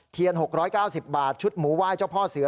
๖๙๐บาทชุดหมูไหว้เจ้าพ่อเสือ